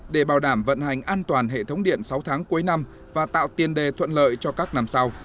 để bảo đảm vận hành an toàn hệ thống điện sáu tháng cuối năm và tạo tiền đề thuận lợi cho các năm sau